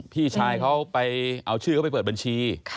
พี่ชายเขาไปเอาชื่อเขาไปเปิดบัญชี